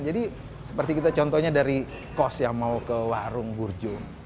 jadi seperti kita contohnya dari kos yang mau ke warung burjo